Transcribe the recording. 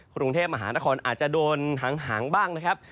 กรุงเทพมหานครอาจจะโดนหางบ้างนะครับ